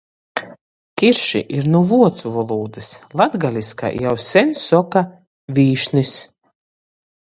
Kirši ir nu vuocu volūdys, latgaliskai jau seņ soka vīšnis.